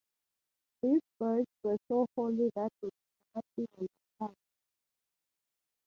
These birds were so holy that they could not even be touched.